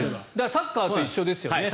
サッカーと一緒ですよね。